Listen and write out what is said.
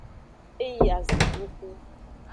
E yi azanduxu.